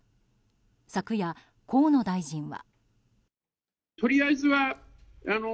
昨夜、河野大臣は。